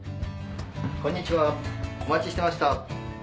こんにちはお待ちしてました。